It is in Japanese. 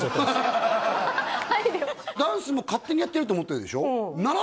ダンスも勝手にやってると思ってるでしょ？